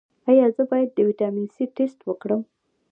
ایا زه باید د ویټامین سي ټسټ وکړم؟